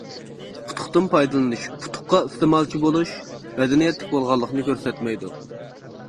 ئۇتۇقتىن پايدىلىنىش، ئۇتۇققا ئىستېمالچى بولۇش مەدەنىيەتلىك بولغانلىقنى كۆرسەتمەيدۇ.